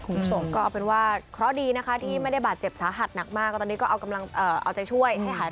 คุณชมก็เป็นว่าเคราะห์ดีนะคะที่ไม่ได้บาดเจ็บสาหัสนักมากว่าตอนนี้ก็ออกำลังเอาใจช่วยค่ะ